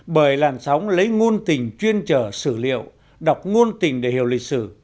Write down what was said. bởi làn sóng lấy ngôn tình chuyên trở sử liệu đọc ngôn tình để hiểu lịch sử